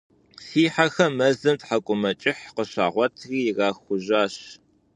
Си хьэхэм мэзым тхьэкӀумэкӀыхь къыщагъуэтри ирахужьащ.